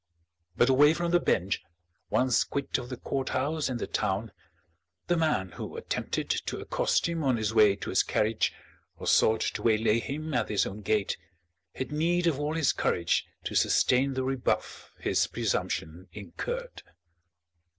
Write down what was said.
But away from the bench, once quit of the courthouse and the town, the man who attempted to accost him on his way to his carriage or sought to waylay him at his own gate, had need of all his courage to sustain the rebuff his presumption incurred.